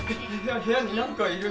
部屋になんかいる！